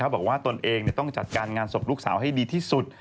ตนเองต้องจัดการงานศพลูกสาวให้ดีที่สุด